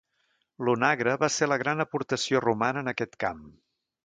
L'onagre va ser la gran aportació romana en aquest camp.